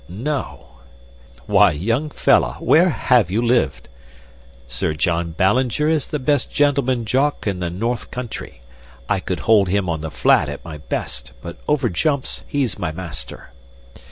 "No." "Why, young fellah, where HAVE you lived? Sir John Ballinger is the best gentleman jock in the north country. I could hold him on the flat at my best, but over jumps he's my master.